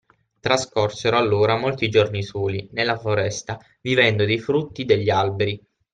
Trascorsero allora molti giorni soli, nella foresta, vivendo dei frutti degli alberi